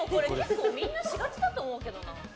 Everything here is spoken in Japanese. みんなしがちだと思うけどな。